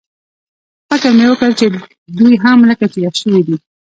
فکر مې وکړ چې دوی هم لکه چې یخ شوي دي.